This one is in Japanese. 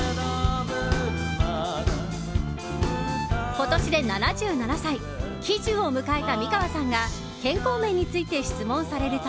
今年で７７歳喜寿を迎えた美川さんが健康面について質問されると。